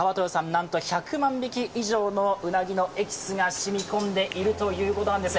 なんと１００万匹以上のうなぎのエキスが染み込んでいるということなんです。